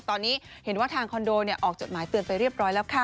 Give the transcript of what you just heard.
ตอนนี้เห็นว่าทางคอนโดออกจดหมายเตือนไปเรียบร้อยแล้วค่ะ